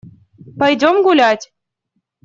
Пойдем гулять!